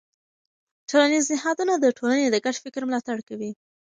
ټولنیز نهادونه د ټولنې د ګډ فکر ملاتړ کوي.